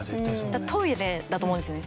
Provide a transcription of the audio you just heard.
だからトイレだと思うんですよね